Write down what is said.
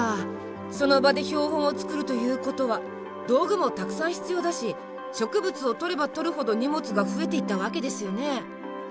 その場で標本を作るということは道具もたくさん必要だし植物を採れば採るほど荷物が増えていったわけですよね。